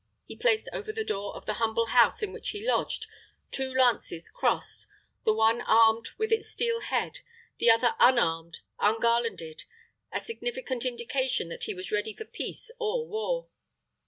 He placed over the door of the humble house in which he lodged two lances crossed, the one armed with its steel head, the other unarmed, ungarlanded a significant indication that he was ready for peace or war.